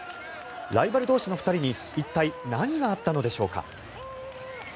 ライバル同士の２人に一体、何があったのでしょうか。